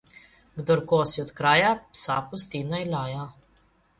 Kdor kosi od kraja, psa pusti, naj laja.